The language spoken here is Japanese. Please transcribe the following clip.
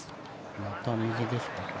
また右ですか？